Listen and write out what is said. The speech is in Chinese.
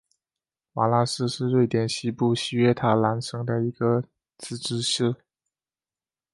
瓦拉市是瑞典西部西约塔兰省的一个自治市。